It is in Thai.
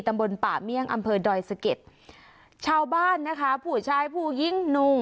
ตำบลป่าเมี่ยงอำเภอดอยสะเก็ดชาวบ้านนะคะผู้ชายผู้หญิงหนุ่ม